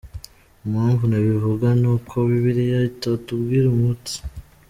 Impamvu ntabivuga ni uko Bibiliya itatubwira umunsi